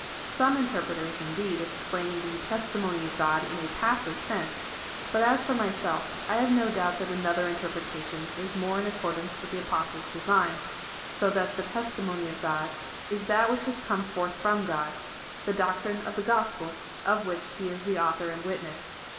Some interpreters, indeed, explain the testi mony of God in a passive sense ; but as for myself, I have no doubt that another interpretation is more in accordance with the AjDOstle's design, so that the testimony of God is that which has come forth from God — the doctrine of the gospel, of which he is the author and witness.